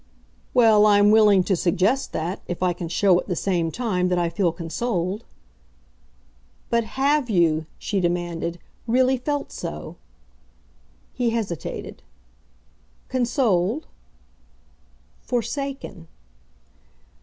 "Well, I'm willing to suggest that, if I can show at the same time that I feel consoled." "But HAVE you," she demanded, "really felt so?" He hesitated. "Consoled?" "Forsaken."